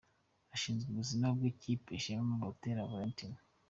Ushinzwe ubuzima bw’ikipe: Shema Butera Valentin.